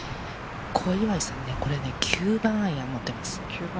小祝さん、これ、９番アイアンを持っています。